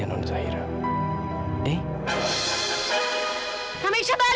aku harus mengakhiri semua kesedihan non zero